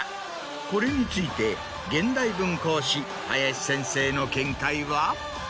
これについて現代文講師林先生の見解は？